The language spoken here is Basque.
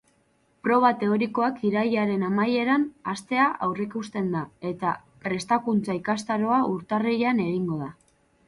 Proba teorikoak irailaren amaieran hastea aurreikusten da, eta prestakuntza-ikastaroa urtarrilean egingo da.